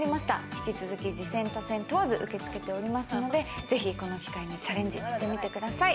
引き続き、自薦他薦問わず受け付けておりますので、ぜひ、この機会にチャレンジしてみてください。